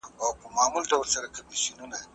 پښتو به په نړیوالو پلیټ فارمونو کې ځای ومومي.